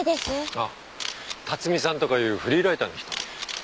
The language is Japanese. あっ辰巳さんとかいうフリーライターの人。